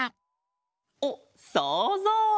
おっそうぞう！